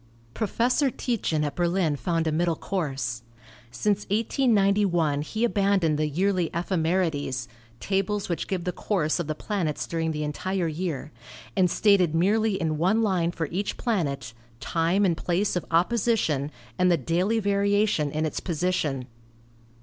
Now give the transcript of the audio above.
Professor Tietjen at Berlin found a middle course. Since 1891 he abandoned the yearly ephemerides (tables which give the course of the planets during the entire year) and stated merely in 226 ASTRONOMY one line, for each planet, time and place of opposition and the daily variation in its position.